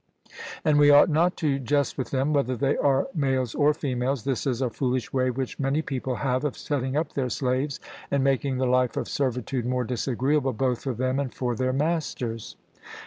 and we ought not to jest with them, whether they are males or females this is a foolish way which many people have of setting up their slaves, and making the life of servitude more disagreeable both for them and for their masters.